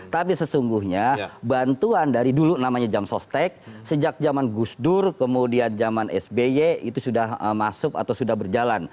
tapi sesungguhnya bantuan dari dulu namanya jam sostek sejak zaman gus dur kemudian zaman sby itu sudah masuk atau sudah berjalan